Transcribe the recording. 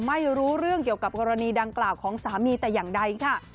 ไม่รู้เรื่องเกี่ยวกับกรณีดังกล่าวของสามีแต่อย่างใดค่ะ